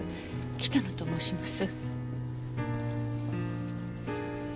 北野と申します。